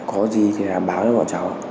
có gì thì báo cho bọn cháu